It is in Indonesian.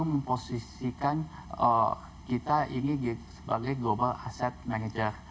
memposisikan kita ini sebagai global asset manager